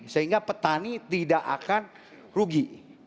sehingga petani tidak akan rugi